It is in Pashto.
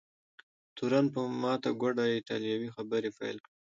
تورن په ماته ګوډه ایټالوي خبرې پیل کړې.